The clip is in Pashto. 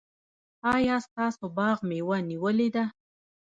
ایا ستاسو باغ مېوه نیولې ده؟